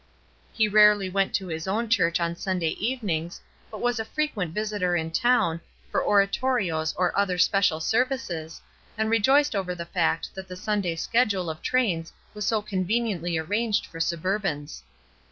He rarely went to his own church on Sunday evenings, but was a frequent visitor in town, for oratorios or other special services, and rejoiced over the fact that the Sunday schedule of trains was so conveniently arranged for suburbans.